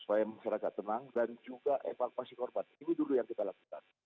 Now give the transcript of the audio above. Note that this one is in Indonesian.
supaya masyarakat tenang dan juga evakuasi korban ini dulu yang kita lakukan